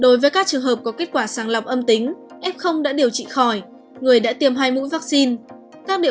đối với các trường hợp có kết quả sàng lọc âm tính f đã điều trị khỏi người đã tiêm hai mũi vaccine